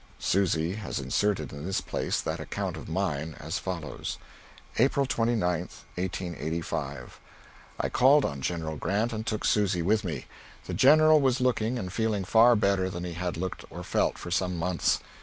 Susy has inserted in this place that account of mine as follows: April 29, 1885. I called on General Grant and took Susy with me. The General was looking and feeling far better than he had looked or felt for some months.